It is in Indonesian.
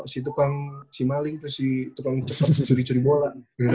si tukang si maling tuh si tukang cuci curi bola